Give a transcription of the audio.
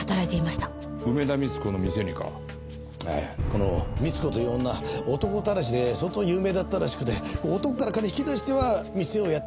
この三津子という女男たらしで相当有名だったらしくて男から金引き出しては店をやってそれを何度も失敗する。